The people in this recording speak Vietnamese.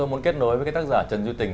muốn kết nối với tác giả trần duy tình